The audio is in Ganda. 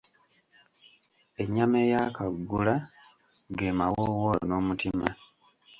Ennyama ey'akaggula ge mawoowoolo n'omutima.